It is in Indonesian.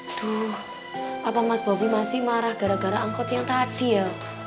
aduh apa mas bobi masih marah gara gara angkot yang tadi ya